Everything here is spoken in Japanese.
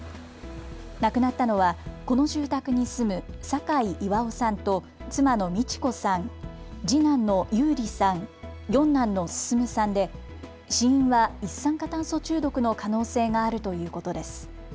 亡くなったのはこの住宅に住む酒井巌さんと妻の道子さん、次男の優里さん、四男の進さんで死因は一酸化炭素中毒の可能性があるということです。